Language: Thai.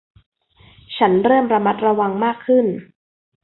ฉันเริ่มระมัดระวังมากขึ้น